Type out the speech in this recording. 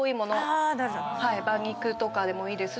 馬肉とかでもいいですし。